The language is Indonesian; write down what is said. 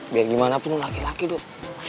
biar gimana pun lu laki laki duk